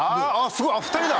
すごい２人だ！